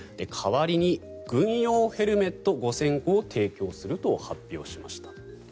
代わりに軍用ヘルメット５０００個を提供すると発表しました。